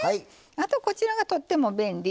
あとこちらがとっても便利。